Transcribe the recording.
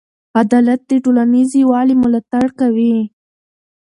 عدالت د ټولنیز یووالي ملاتړ کوي.